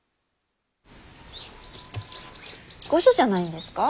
御所じゃないんですか。